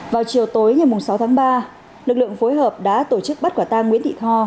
vào chiều tối ngày sáu tháng ba lực lượng phối hợp đã tổ chức bắt quả tang nguyễn thị tho